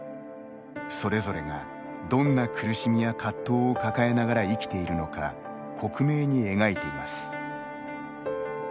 それぞれが、どんな苦しみや葛藤を抱えながら生きているのか克明に描いています。